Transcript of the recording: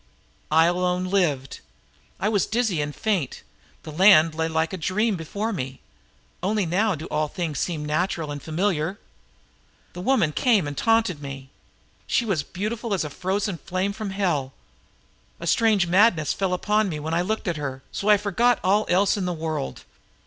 I alone lived. I was dizzy and faint. The land lay like a dream before me. Only now do all things seem natural and familiar. The woman came and taunted me. She was beautiful as a frozen flame from hell. When I looked at her I was as one mad, and forgot all else in the world.